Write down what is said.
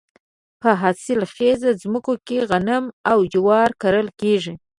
په حاصل خیزو ځمکو کې غنم او جوار کرل کیږي.